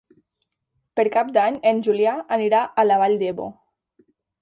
Per Cap d'Any en Julià anirà a la Vall d'Ebo.